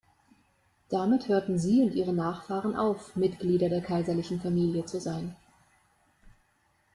Damit hörten sie und ihre Nachfahren auf, Mitglieder der Kaiserlichen Familie zu sein.